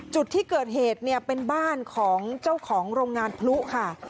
จุดที่เกิดเหตุเนี่ยเป็นบ้านของเจ้าของโรงงานพลุค่ะ